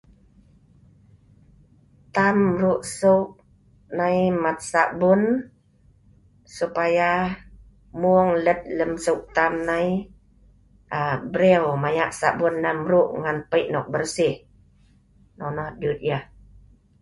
Tam mru' seu' nai mat sabun, supaya mung let lem seu' tam nai aa breu maya sabun nan mru' ngan pei' nok bersih. Nonoh dut yah.